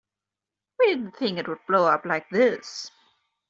We didn't think it would blow up like this.